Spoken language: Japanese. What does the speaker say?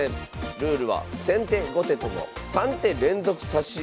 ルールは先手後手とも３手連続指し。